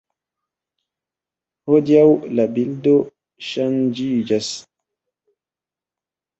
Hodiaŭ la bildo ŝanĝiĝas.